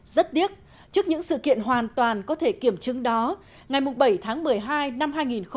rất tiếc trước những sự kiện hoàn toàn có thể kiểm chứng đó ngày bảy tháng một mươi hai năm hai nghìn một mươi tám